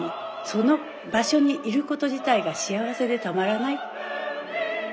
その場所にいること自体が幸せでたまらない。